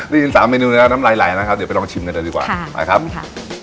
ได้ยินสามเมนูแล้วน้ำลายหลายนะครับเดี๋ยวไปลองชิมกันดีกว่าค่ะไปครับขอบคุณค่ะ